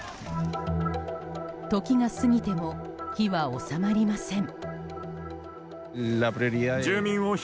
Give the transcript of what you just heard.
時が過ぎても火は収まりません。